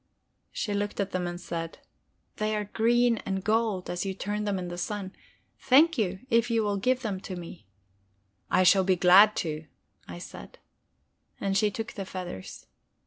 She looked at them and said: "They are green and gold, as you turn them in the sun. Thank you, if you will give me them." "I should be glad to," I said. And she took the feathers.